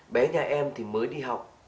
bé nhà em thì mới đi học